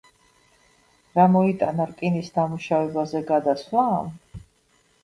რა მოიტანა რკინის დამუშავებაზე გადასვლამ?